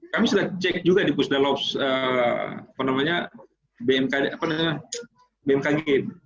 kami sudah cek juga di pusdalos bmkg